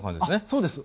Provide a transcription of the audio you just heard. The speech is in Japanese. そうです。